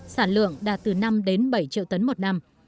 sản lượng đạt từ năm đến bảy triệu tấn một năm